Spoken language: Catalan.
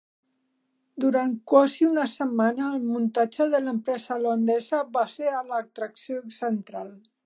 Durant quasi una setmana el muntatge de l'empresa holandesa va ser l'atracció central.